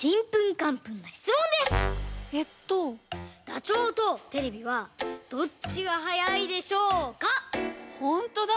ダチョウとテレビはどっちがはやいでしょうか⁉ほんとだ！